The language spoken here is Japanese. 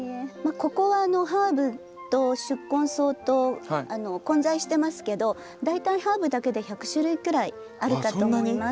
ここはハーブと宿根草と混在してますけど大体ハーブだけで１００種類くらいあるかと思います。